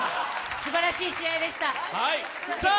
すばらしい試合でした。